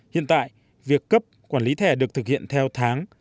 hiện tại việc cấp quản lý thẻ được thực hiện theo tháng